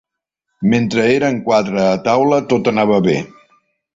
Mentre eren quatre a taula tot anava bé.